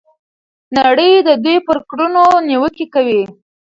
نړۍ د دوی پر کړنو نیوکې کوي.